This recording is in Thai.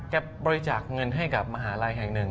บริจาคเงินให้กับมหาลัยแห่งหนึ่ง